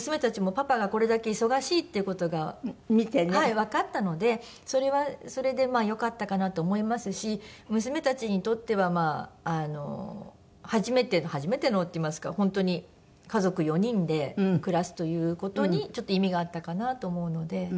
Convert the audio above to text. わかったのでそれはそれでよかったかなと思いますし娘たちにとっては初めての初めてのっていいますか本当に家族４人で暮らすという事にちょっと意味があったかなと思うので。